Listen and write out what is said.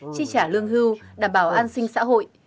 chi trả lương hưu đảm bảo an sinh xã hội